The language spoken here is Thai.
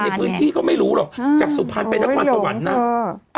คนในพื้นที่ก็ไม่รู้หรอกอืมจากสุพรรณเป็นนักความสวรรค์น่ะ